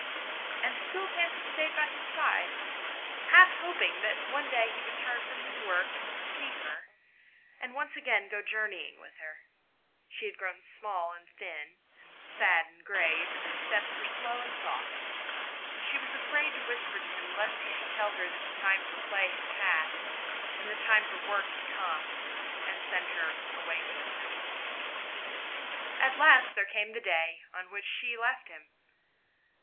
And still Fancy stayed by his side, half hoping that one day he would turn from his work, and see her, and once again go journeying with her. She had grown small and thin, and sad and grave, and her steps were slow and soft, and she was afraid to whisper to him lest he should tell her that the time for play had passed and the time for work had come, and send her from him. At last there came the day on which she left him.